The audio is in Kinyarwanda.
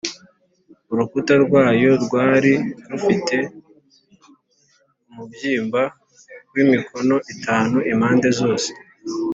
Urukuta rwayo rwar i rufite umubyimba w imikono itanu impande zose